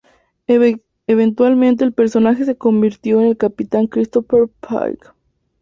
Eventualmente el personaje se convirtió en el capitán Christopher Pike.